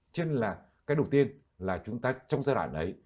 cho nên là cái đầu tiên là chúng ta trong giai đoạn đấy